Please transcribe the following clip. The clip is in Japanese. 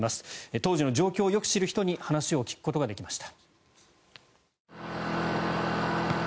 当時の状況をよく知る人に話を聞くことができました。